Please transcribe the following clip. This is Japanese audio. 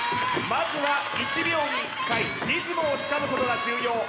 まずは１秒に１回リズムをつかむことが重要